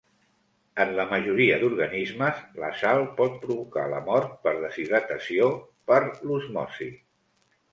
En la majoria d'organismes, la sal pot provocar la mort per deshidratació per l'osmosi.